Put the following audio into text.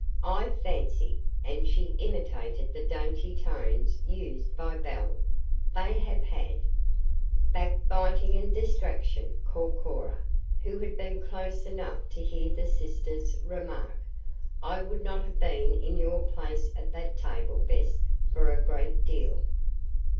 "I 'fawncy'" and she imitated the dainty tones used by Belle "they have had " "Backbiting and detraction," called Cora, who had been close enough to hear the sisters' remarks. "I would not have been in your place at that table, Bess, for a great deal."